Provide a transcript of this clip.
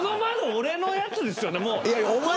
俺のやつですよね。